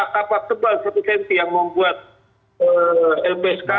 kapal tebal satu cm yang membuat lpsk